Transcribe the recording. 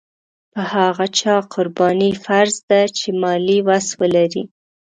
په هغه چا قرباني فرض ده چې مالي وس ولري.